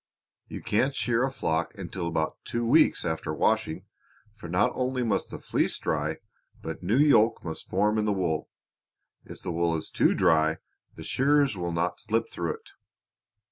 You can't shear a flock until about two weeks after washing, for not only must the fleece dry, but new yolk must form in the wool. If the wool is too dry the shears will not slip through it."